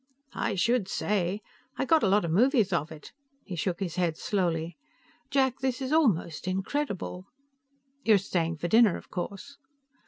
"I should say! I got a lot of movies of it." He shook his head slowly. "Jack, this is almost incredible." "You're staying for dinner, of course?"